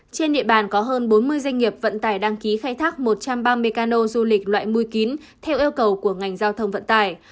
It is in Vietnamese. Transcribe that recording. trên địa bàn có hơn bốn mươi doanh nghiệp vận tải đăng ký khai thác một trăm ba mươi cano du lịch loại kín theo yêu cầu của ngành giao thông vận tải